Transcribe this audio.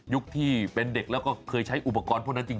ที่เป็นเด็กแล้วก็เคยใช้อุปกรณ์พวกนั้นจริง